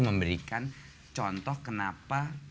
memberikan contoh kenapa